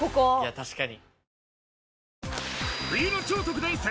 確かに。